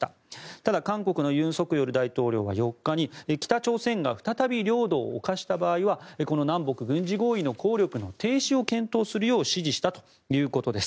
ただ、韓国の尹錫悦大統領は４日に北朝鮮が再び領土を侵した場合は南北軍事合意の効力停止を検討するよう指示したということです。